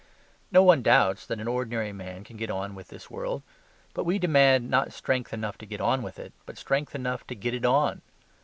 No one doubts that an ordinary man can get on with this world: but we demand not strength enough to get on with it, but strength enough to get it on.